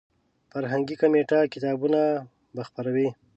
فرهنګي کمیټه کتابونه به خپروي.